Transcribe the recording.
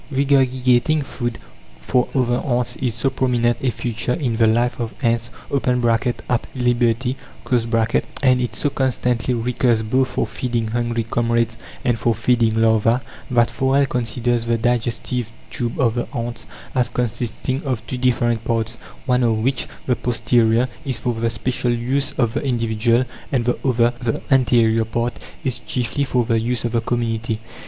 Regurgitating food for other ants is so prominent a feature in the life of ants (at liberty), and it so constantly recurs both for feeding hungry comrades and for feeding larvae, that Forel considers the digestive tube of the ants as consisting of two different parts, one of which, the posterior, is for the special use of the individual, and the other, the anterior part, is chiefly for the use of the community.